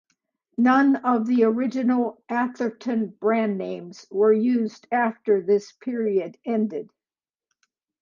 None of the original Atherton brand names were used after this period ended.